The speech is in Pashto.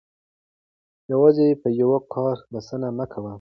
یوازې په یو کار بسنه مه کوئ.